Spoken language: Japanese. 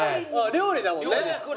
料理だもんね。